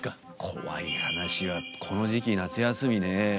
コワい話はこの時期夏休みね